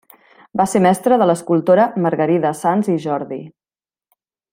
Va ser mestre de l'escultora Margarida Sans i Jordi.